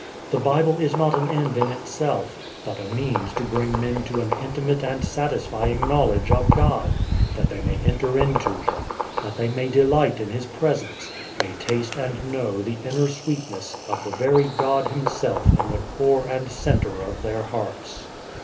The Bible is not an end in itself, but a means to bring men to an intimate and satisfying knowledge of God, that they may enter into Him, that they may delight in His Presence, may taste and know the inner sweetness of the very God Himself in the core and center of their hearts.